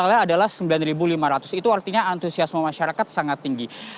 awalnya adalah sembilan lima ratus itu artinya antusiasme masyarakat sangat tinggi